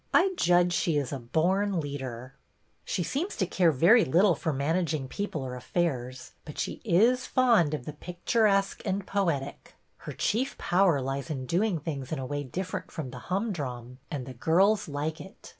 I judge she is a born leader." " She seems to care very little for manag ing people or affairs, but she is fond of the A FEAST — NEW TEACHER 185 picturesque and poetic. Her chief power lies in doing things in a way different from the humdrum, and girls like it.